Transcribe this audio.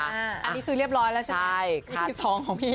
อันนี้คือเรียบร้อยแล้วใช่มั้ยอีพี๒ของพี่